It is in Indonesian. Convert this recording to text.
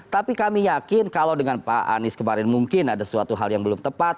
tapi kami yakin kalau dengan pak anies kemarin mungkin ada suatu hal yang belum tepat